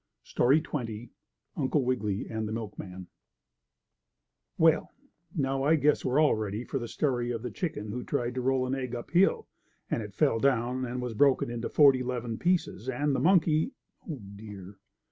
STORY XX UNCLE WIGGILY AND THE MILKMAN Well, now I guess we're all ready for the story of the chicken who tried to roll an egg up hill, and it fell down, and was broken into forty 'leven pieces and the monkey Oh dear!